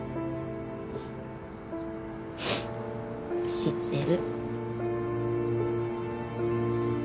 知ってる。